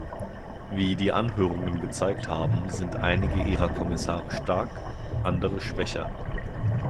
Wie die Anhörungen gezeigt haben, sind einige Ihrer Kommissare stark, andere schwächer.